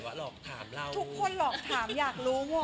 หลอกถามเราทุกคนหลอกถามอยากรู้หมด